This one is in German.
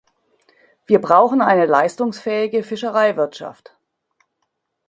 Wir brauchen eine leistungsfähige Fischereiwirtschaft.